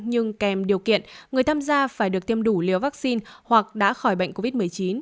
nhưng kèm điều kiện người tham gia phải được tiêm đủ liều vaccine hoặc đã khỏi bệnh covid một mươi chín